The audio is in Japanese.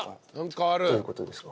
どういうことですか？